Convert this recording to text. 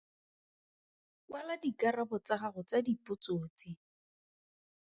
Kwala dikarabo tsa gago tsa dipotso tse.